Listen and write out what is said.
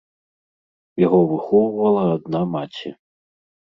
Яго выхоўвала адна маці.